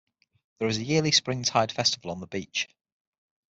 There is a yearly Spring Tide Festival on the beach.